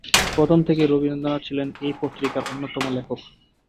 প্রথম থেকেই রবীন্দ্রনাথ ছিলেন এই পত্রিকার অন্যতম লেখক।